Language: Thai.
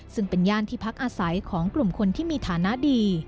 ซึ่งเป็นย่านที่พักอาศัยของกลุ่มคนที่มีฐานะดี